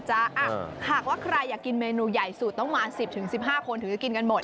หากว่าใครอยากกินเมนูใหญ่สูตรต้องมา๑๐๑๕คนถึงจะกินกันหมด